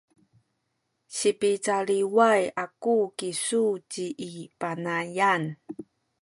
sipicaliway aku kisu i ci Panayan